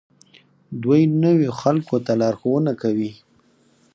دوی نویو خلکو ته لارښوونه کوي.